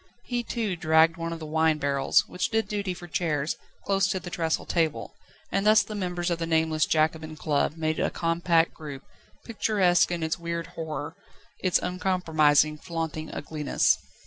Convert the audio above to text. He too dragged one of the wine barrels, which did duty for chairs, close to the trestle table, and thus the members of the nameless Jacobin club made a compact group, picturesque in its weird horror, its uncompromising, flaunting ugliness.